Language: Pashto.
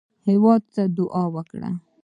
هېواد ته دعا وکړئ